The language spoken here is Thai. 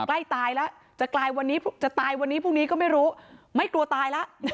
ใกล้ตายแล้วจะกลายวันนี้จะตายวันนี้พรุ่งนี้ก็ไม่รู้ไม่กลัวตายแล้ว